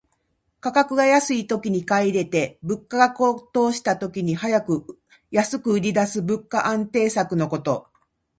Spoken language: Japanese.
価格が安いときに買い入れて、物価が高騰した時に安く売りだす物価安定策のこと。